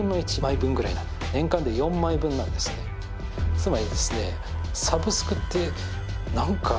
つまりですね。